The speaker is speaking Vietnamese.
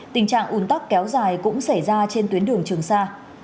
tình trạng ủn tắc kéo dài cũng xảy ra trên tuyến đường trường sa